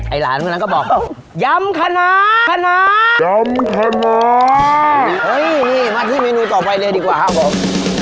ไอ้หลานเมื่อนั้นก็บอกยำคณะคณะยำคณะเฮ้ยนี่มาที่เมนูต่อไปเลยดีกว่าครับผม